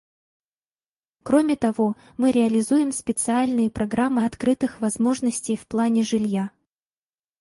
Кроме того, мы реализуем специальные программы открытых возможностей в плане жилья.